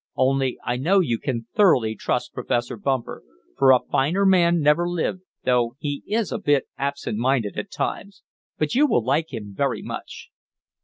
Only I know you can thoroughly trust Professor Bumper, for a finer man never lived, though he is a bit absent minded at times. But you will like him very much."